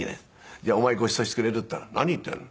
じゃあお前ごちそうしてくれる？」って言ったら「何言ってんの。